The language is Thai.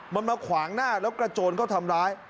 มันมาขวางหน้าแล้วกระโจนเขาทำร้าย